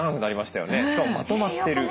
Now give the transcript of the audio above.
しかもまとまってる。